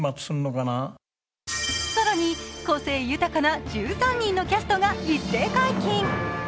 更に、個性豊かな１３人のキャストが一斉解禁。